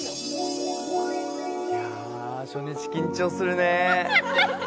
いや、初日緊張するね。